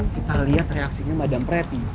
kita lihat reaksinya madame preti